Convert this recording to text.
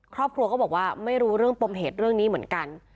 ครอบครัวก็บอกว่าไม่รู้เรื่องปมเหตุเรื่องนี้เหมือนกัน